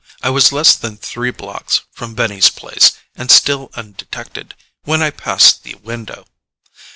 I was less than three blocks from Benny's Place, and still undetected, when I passed the window.